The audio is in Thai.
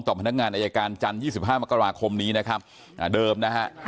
พนักงานอายการจันทร์๒๕มกราคมนี้นะครับเดิมนะฮะ